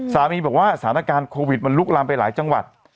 สามีบอกว่าสถานการณ์โควิดมันลุกลามไปหลายจังหวัด